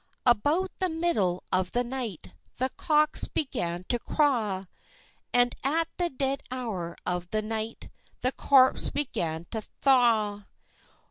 About the middle of the night The cocks began to craw; And at the dead hour of the night, The corpse began to thraw.